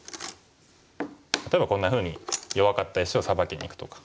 例えばこんなふうに弱かった石をサバきにいくとか。